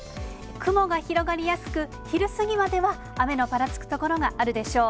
雲が広がりやすく、昼過ぎまでは雨のぱらつく所があるでしょう。